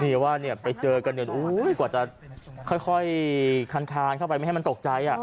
มีว่าไปเจอกันกันกว่าจะค่อยคันเข้าไปไม่ให้มันตกใจ